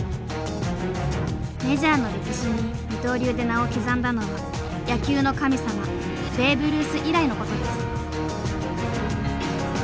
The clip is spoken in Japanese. メジャーの歴史に二刀流で名を刻んだのは野球の神様ベーブ・ルース以来のことです。